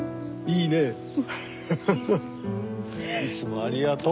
いつもありがとう。